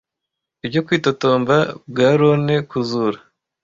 Ibyo kwitotomba kwa Rhone kuzura